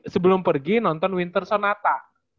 sebelum pergi nonton winter sonata